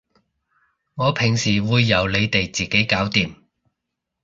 我平時會由你哋自己搞掂